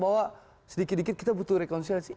bahwa sedikit dikit kita butuh rekonsiliasi